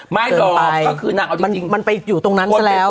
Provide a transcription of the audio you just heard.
ไม่หรอกก็คือนางเอาจริงมันไปอยู่ตรงนั้นซะแล้ว